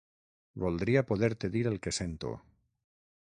Voldria poder-te dir el que sento.